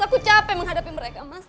aku capek menghadapi mereka mas